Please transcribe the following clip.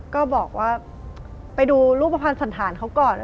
ก็บอกว่าไปดูรูปภัณฑ์สันธารเขาก่อน